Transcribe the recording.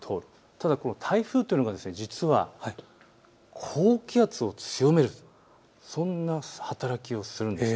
ただこの台風というのが実は高気圧を強める、そんな働きをするんです。